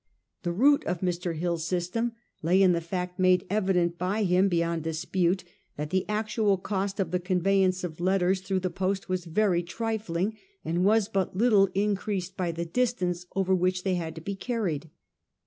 The root of Mr. Hill's system lay in the fact, made evi dent by him beyond dispute, that the actual cost of the conveyance of letters through the post was very trifling, and was but little increased by the distance over which they had to be carried.